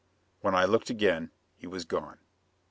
When I looked again, he was gone.